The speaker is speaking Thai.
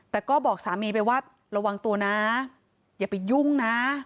แต่ก็บอกสามีไปว่าระวังตัวนะอย่าไปยุ่งนะ